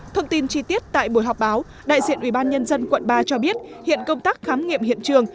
thông tin chi tiết tại buổi họp báo đại diện ubnd quận ba cho biết hiện công tác khám nghiệm hiện trường